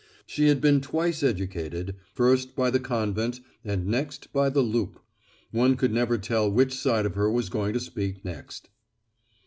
She had been twice educated first by the convent and next by the loop. One could never tell which side of her was going to speak next.